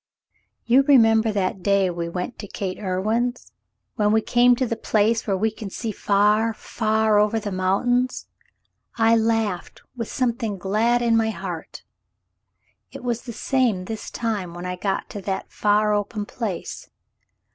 "You remember that day we went to Cate Irwin's ? When we came to the place where we can see far — far over the mountains — I laughed — with something glad in my heart. It was the same this time when I got to that far open place.